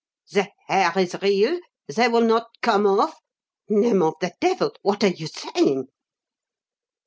The hair is real? They will not come off? Name of the devil! what are you saying?"